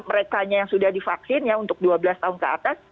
merekanya yang sudah divaksin ya untuk dua belas tahun ke atas